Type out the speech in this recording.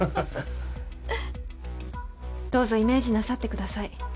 どうぞイメージなさってください